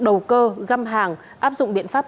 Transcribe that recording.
đầu cơ găm hàng áp dụng biện pháp